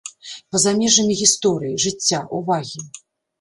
Па-за межамі гісторыі, жыцця, увагі.